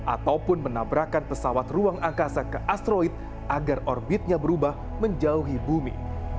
ataupun menabrakan pesawat ruang angkasa ke asteroid agar orbitnya berubah menjauhi bumi